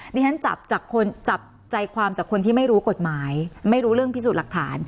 ดิฉันจับจากคนจับใจความจากคนที่ไม่รู้กฎหมายไม่รู้เรื่องพิสูจน์หลักฐาน